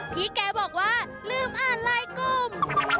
พี่แกบอกว่าลืมอ่านไลน์กลุ่ม